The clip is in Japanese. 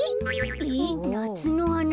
えなつのはな。